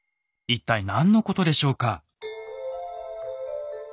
一体何のことでしょうか？